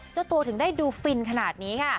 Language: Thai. เจ้าตัวถึงได้ดูฟินขนาดนี้ค่ะ